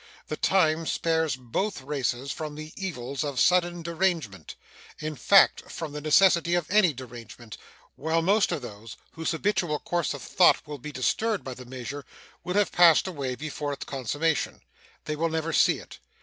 The time spares both races from the evils of sudden derangement in fact, from the necessity of any derangement while most of those whose habitual course of thought will be disturbed by the measure will have passed away before its consummation. They will never see it.